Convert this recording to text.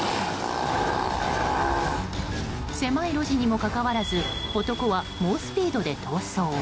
狭い路地にもかかわらず男は猛スピードで逃走。